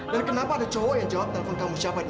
dan kenapa ada cowok yang jawab telepon kamu siapanya